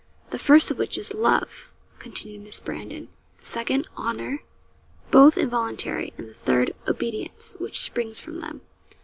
'The first of which is love,' continued Miss Brandon; 'the second honour both involuntary; and the third obedience, which springs from them.'